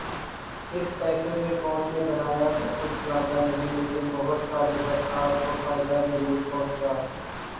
اس پیسے سے قوم نے بنایا تو کچھ زیادہ نہیں لیکن بہت سارے طبقات کو فائدہ ضرور پہنچا۔